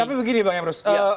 tapi begini bang emrus